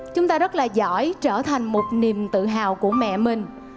chúng ta rất là giỏi trở thành một niềm tự hào của mẹ mình